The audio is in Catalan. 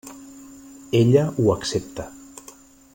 Ella ho accepta.